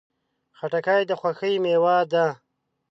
خټکی د خوښۍ میوه ده.